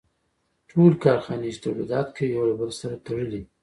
ټولې کارخانې چې تولیدات کوي یو له بل سره تړلي دي